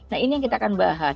nah ini yang kita akan bahas